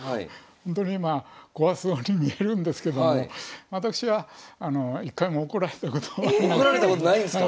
ほんとにまあ怖そうに見えるんですけども私は一回も怒られたことはなかったんです。